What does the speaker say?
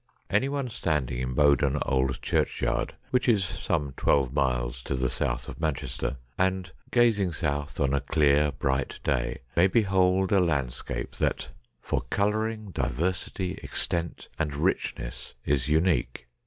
Any one standing in Bowdon old churchyard, which is some twelve miles to the south of Manchester, and, gazing south on a clear, bright day, may behold a landscape that, for colouring, diversity, extent, and richness, is unique.